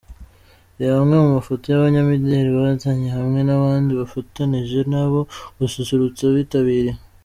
Reba amwe mu mafoto y'abanyamideri bahatanye hamwe n'abandi bafatanije nabo gususurutsa abitabiriye .